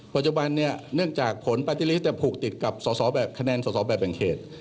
ปัจจุบันเนี่ยเนื่องจากผลปฏิฤทธิ์จะผูกติดกับส่อแบบคะแนนส่อแบบแบ่งเขต